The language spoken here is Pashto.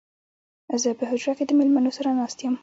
زه په حجره کې د مېلمنو سره ناست يم